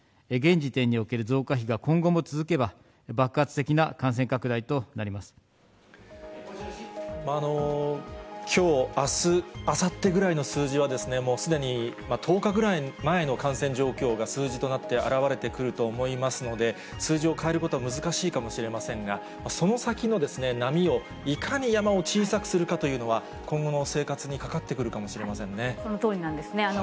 現時点における増加比が今後も続けば、爆発的な感染拡大となりまきょう、あす、あさってぐらいの数字は、もうすでに１０日ぐらい前の感染状況が数字となって表れてくると思いますので、数字を変えることは難しいかもしれませんが、その先の波をいかに山を小さくするかというのは、今後の生活にかそのとおりなんですね。